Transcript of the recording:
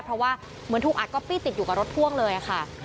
เพราะว่าเหมือนถูกอัดก๊อปปี้ติดอยู่กับรถพ่วงเลยค่ะ